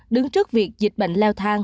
đứng trước việc dịch bệnh leo